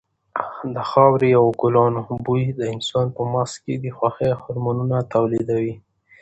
د خاورې او ګلانو بوی د انسان په مغز کې د خوښۍ هارمونونه تولیدوي.